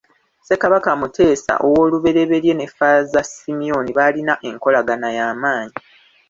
Ssekabaka Muteesa ow'oluberyeberye ne Ffaaza Simeon baalina enkolagana ya maanyi.